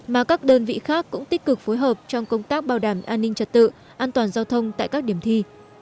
mà các đơn vị khác cũng tích cực phối hợp trong công tác bảo đảm an ninh trật tự an toàn giao thông tại các điểm thi